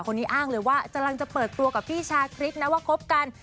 คนนี้อ้างเลยว่ากำลังจะเปิดตัวกับพี่ชาคริสนะว่าคบกัน